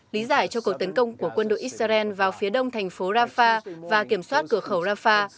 lý giải cho cuộc tấn công của quân đội israel vào phía đông thành phố rafah và kiểm soát cửa khẩu rafah